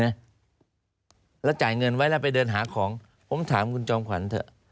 แล้วจ่ายเงินไว้แล้วไปเดินหาของผมถามคุณจอมขวัญเถอะ